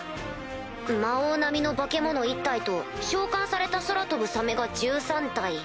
魔王並みの化け物１体と召喚された空飛ぶサメが１３体。